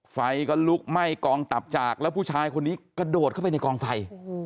ไฟก็ลุกไหม้กองตับจากแล้วผู้ชายคนนี้กระโดดเข้าไปในกองไฟ